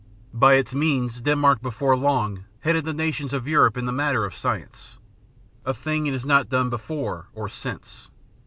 By its means Denmark before long headed the nations of Europe in the matter of science a thing it has not done before or since.